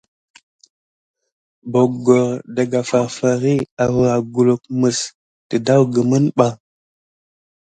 Boggor daka farfari arua kulukeb mis teɗa kumine ɓa.